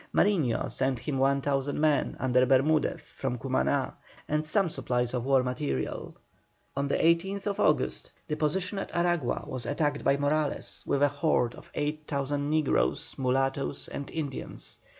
Mariño sent him 1,000 men under Bermudez from Cumaná, and some supplies of war material. On the 18th August, the position at Aragua was attacked by Morales with a horde of 8,000 negroes, mulattos, and Indians.